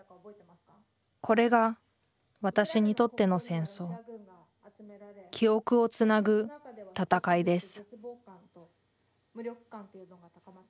これが私にとっての戦争「記憶をつなぐ闘い」です